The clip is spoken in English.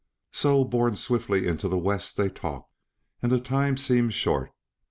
So, borne swiftly into the West they talked, and the time seemed short.